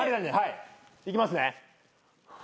いきますね。